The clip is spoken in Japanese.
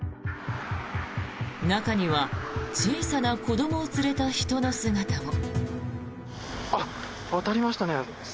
中には小さな子どもを連れた人の姿も。